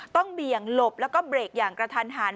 เบี่ยงหลบแล้วก็เบรกอย่างกระทันหัน